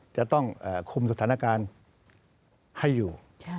จะต้องคุมสถานการณ์ให้อยู่